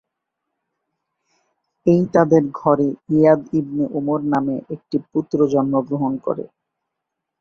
এই তাদের ঘরে ইয়াদ ইবনে উমর নামে একটি পুত্র জন্মগ্রহণ করে।